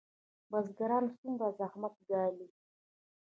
بزګران څومره زحمت ګالي؟